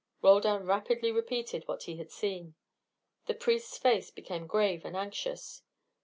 Roldan rapidly related what he had seen. The priest's face became grave and anxious.